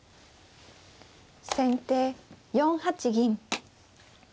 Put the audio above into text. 先手４八銀。